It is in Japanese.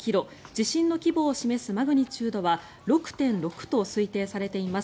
地震の規模を示すマグニチュードは６．６と推定されています。